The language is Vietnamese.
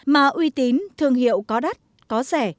mà uy tín thương hiệu có đắt có rẻ